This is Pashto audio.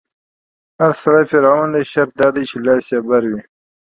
هر سړی فرعون دی، شرط دا دی چې لاس يې بر وي